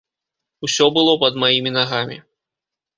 Усё было пад маімі нагамі.